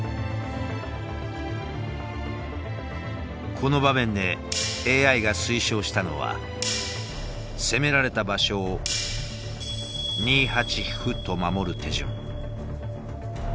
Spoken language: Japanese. この場面でＡＩが推奨したのは攻められた場所を２八歩と守る手順。